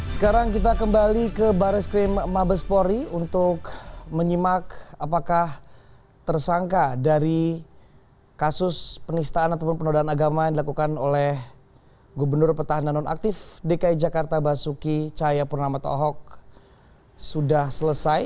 sampai jumpa di mabespori